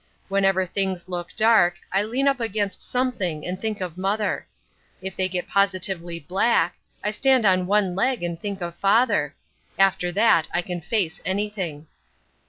Whenever things look dark, I lean up against something and think of mother. If they get positively black, I stand on one leg and think of father. After that I can face anything.